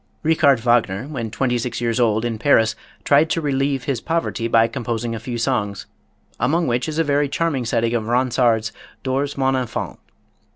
Richard Wagner, when twenty six years old, in Paris, tried to relieve his poverty by composing a few songs, among which is a very charming setting of Ronsard's "Dors mon enfant."